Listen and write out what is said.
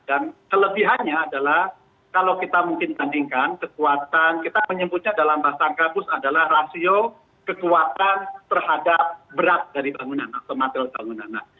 dan kelebihannya adalah kalau kita mungkin bandingkan kekuatan kita menyebutnya dalam bahasa angka bus adalah rasio kekuatan terhadap berat dari bangunan atau material bangunan